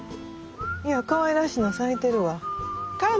いやかわいらしいの咲いてるわ。